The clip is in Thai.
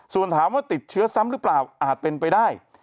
ส่วนถามว่าติดเชื้อซ้ำหรือเปล่าอาจเป็นไปได้